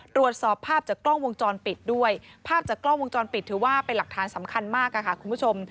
ตรวจสอบภาพจากกล้องวงจรปิดด้วยภาพจากกล้องวงจรปิดถือว่าเป็นหลักฐานสำคัญมากค่ะคุณผู้ชม